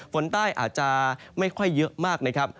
ฝนใต้อาจจะไม่ค่อยเยอะมากนะครับ